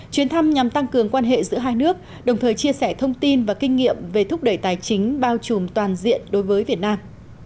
chuyến thăm nhằm tăng cường quan hệ giữa hai nước đồng thời chia sẻ thông tin và kinh nghiệm về thúc đẩy tài chính bao trùm toàn diện đối với việt nam